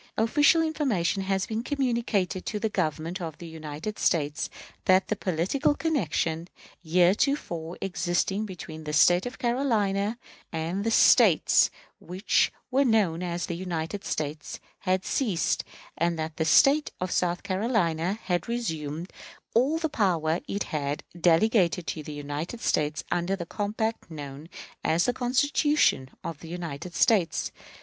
Official information has been communicated to the Government of the United States that the political connection heretofore existing between the State of South Carolina and the States which were known as the United States had ceased, and that the State of South Carolina had resumed all the power it had delegated to the United States under the compact known as the Constitution of the United States.